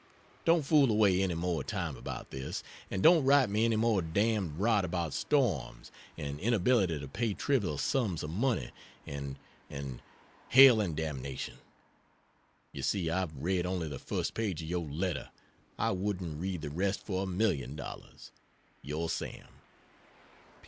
Don't fool away any more time about this. And don't write me any more damned rot about "storms," and inability to pay trivial sums of money and and hell and damnation! You see I've read only the first page of your letter; I wouldn't read the rest for a million dollars. Yr SAM.